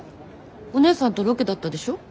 お姉さんとロケだったでしょ。